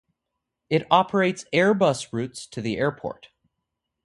It operates Airbus routes to the Airport.